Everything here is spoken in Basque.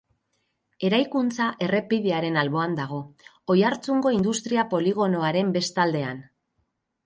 Eraikuntza errepidearen alboan dago, Oiartzungo industria-poligonoaren bestaldean.